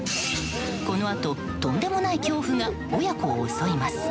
このあと、とんでもない恐怖が親子を襲います。